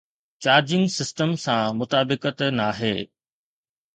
charging system سان مطابقت ناهي